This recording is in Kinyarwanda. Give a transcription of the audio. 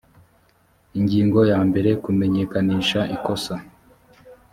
ingingo ya mbere kumenyekanisha ikosa